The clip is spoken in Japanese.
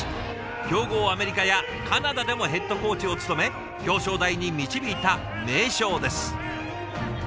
強豪アメリカやカナダでもヘッドコーチを務め表彰台に導いた名将です。